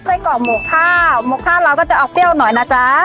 ไส้กรอกหมกท่าจะออกเปรี้ยวหน่อยนะจ๊ะ